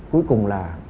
cuối cùng là